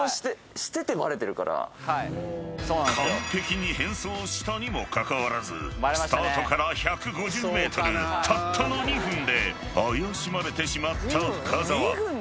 ［完璧に変装したにもかかわらずスタートから１５０ｍたったの２分で怪しまれてしまった深澤］